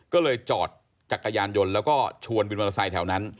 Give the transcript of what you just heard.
ก็เลยจอดจักรยานยนต์แล้วก็ชวนวินมอเตอร์ไซค์แถวนั้น